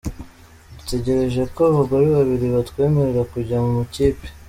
Dutegereje ko abagore babiri batwemerera kujya mu ikipe.